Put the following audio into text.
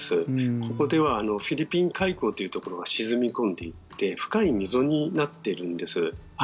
ここではフィリピン海溝というところが沈み込んでいって深い溝になってるんです。